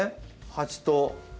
鉢と。